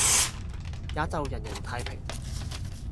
也就人人太平。